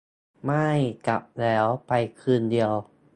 ม่าย กลับแล้ว ไปคืนเดียว